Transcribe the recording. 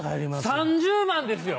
３０万ですよ